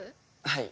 はい。